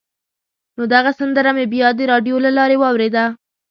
نو دغه سندره مې بیا د راډیو له لارې واورېده.